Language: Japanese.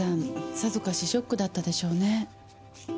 さぞかしショックだったでしょうね。